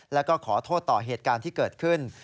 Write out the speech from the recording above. แล้วก็ขอโทษต่อเหตุการณ์ที่เกิดขึ้น